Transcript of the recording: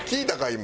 今。